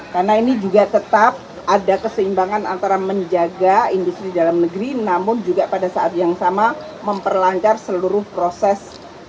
karena ini juga tetap ada keseimbangan antara menjaga industri dalam negeri namun juga pada saat yang sama memperlancar seluruh proses untuk arus barangnya